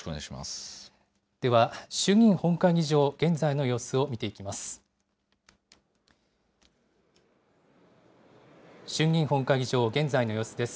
では、衆議院本会議場、現在の様子を見ていきます。